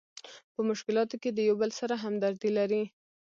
په مشکلاتو کې د یو بل سره همدردي لري.